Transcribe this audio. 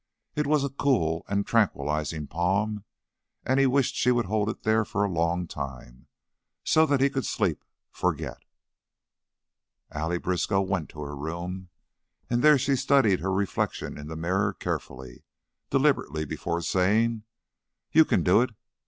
It was a cool and tranquilizing palm and he wished she would hold it there for a long time, so that he could sleep, forget Allie Briskow went to her room, and there she studied her reflection in the mirror carefully, deliberately, before saying: "You can do it.